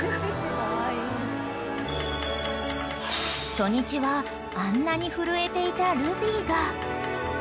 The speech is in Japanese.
［初日はあんなに震えていたルビーが］